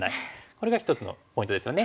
これが一つのポイントですよね。